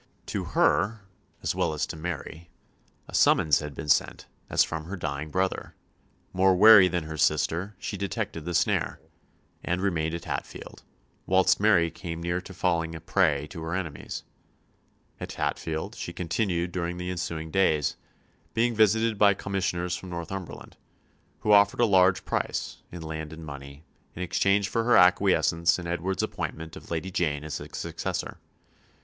To her, as well as to Mary, a summons had been sent as from her dying brother; more wary than her sister, she detected the snare, and remained at Hatfield, whilst Mary came near to falling a prey to her enemies. At Hatfield she continued during the ensuing days, being visited by commissioners from Northumberland, who offered a large price, in land and money, in exchange for her acquiescence in Edward's appointment of Lady Jane as his successor.